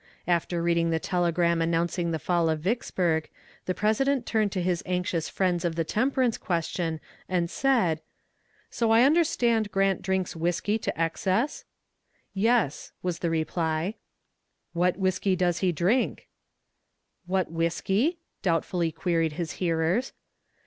After reading the telegram announcing the fall of Vicksburg, the President turned to his anxious friends of the temperance question and said: "So I understand Grant drinks whiskey to excess?" "Yes," was the reply. "What whiskey does he drink?" "What whiskey?" doubtfully queried his hearers.